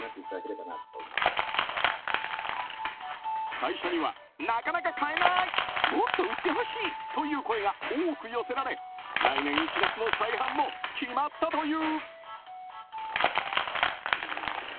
会社には、なかなか買えないもっと売ってほしいという声が多く寄せられ来年１月の再販も決まったという。